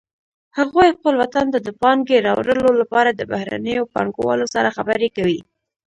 هغوی خپل وطن ته د پانګې راوړلو لپاره د بهرنیو پانګوالو سره خبرې کوي